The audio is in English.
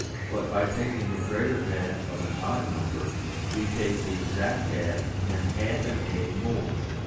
But by taking the greater half of an odd number we take the exact half and half an egg more.